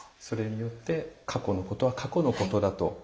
それによって過去のことは過去のことだと。